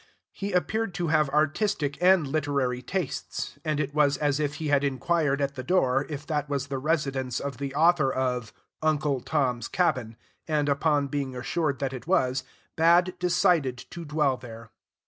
He appeared to have artistic and literary tastes, and it was as if he had inquired at the door if that was the residence of the author of "Uncle Tom's Cabin," and, upon being assured that it was, bad decided to dwell there.